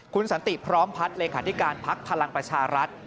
คุณสันติพร้อมพัฒน์เลขาธิการพักพลังประชารัฐ